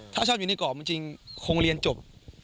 ถ้าชอบอยู่ในกรอบจริงคงเรียนจบ